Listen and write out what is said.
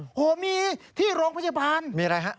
โอ้โหมีที่โรงพยาบาลมีอะไรฮะ